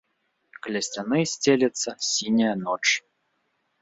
Каля сцяны сцелецца сіняя ноч.